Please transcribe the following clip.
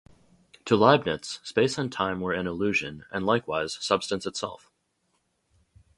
To Leibniz, space and time were an illusion, and likewise substance itself.